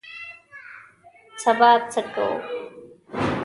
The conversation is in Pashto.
سبا څه کوو؟